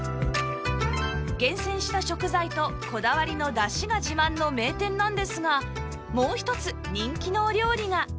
厳選した食材とこだわりのダシが自慢の名店なんですがもう一つ人気のお料理が